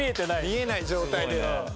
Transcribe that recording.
見えない状態で。